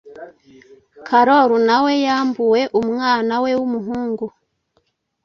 carol nawe yambuwe umwana we w'umuhungu